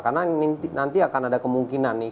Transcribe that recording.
karena nanti akan ada kemungkinan nih